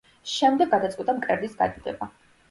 შემდეგ გადაწყვიტა მკერდის გადიდება.